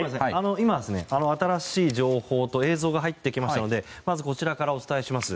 新しい情報と映像が入ってきましたのでまずこちらからお伝えします。